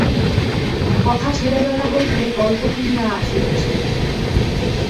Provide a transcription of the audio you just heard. কথা-ছেলেবেলা হইতে গল্প শুনিয়া আসিতেছে।